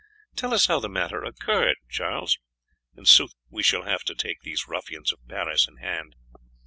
Tell us how the matter occurred, Charles; in sooth, we shall have to take these ruffians of Paris in hand.